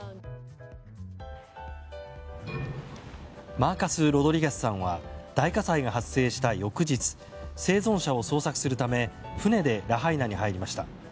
マーカス・ロドリゲスさんは大火災が発生した翌日生存者を捜索するため船でラハイナに入りました。